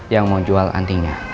yang mau jual antingnya